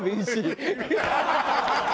ハハハハ！